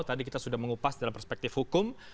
tadi kita sudah mengupas dalam perspektif hukum